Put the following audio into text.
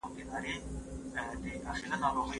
ايا سوله له جګړې څخه غوره ده؟